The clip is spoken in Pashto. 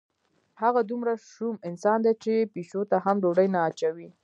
هغه دومره شوم انسان دی چې پیشو ته هم ډوډۍ نه اچوي.